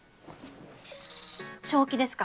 正気ですか？